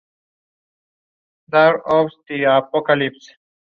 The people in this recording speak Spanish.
Contó con la colaboración de Auguste Vaillant, mientras residió breve tiempo en Argentina.